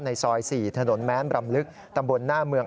ซอย๔ถนนแม้มรำลึกตำบลหน้าเมือง